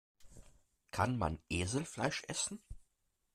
Kann man Eselfleisch essen?